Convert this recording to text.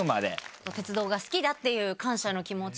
鉄道が好きだっていう感謝の気持ちと。